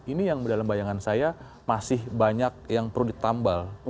ini yang dalam bayangan saya masih banyak yang perlu ditambal